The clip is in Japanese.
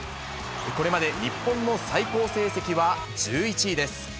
これまで日本の最高成績は１１位です。